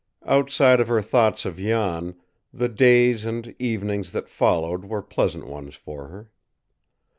Outside of her thoughts of Jan, the days and evenings that followed were pleasant ones for her.